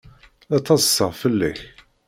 La ttaḍsaɣ fell-ak.